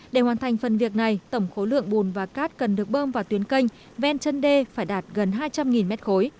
để hoàn thành phần việc này tổng khối lượng bùn và cát cần được bơm vào tuyến canh ven chân đê phải đạt gần hai trăm linh mét khối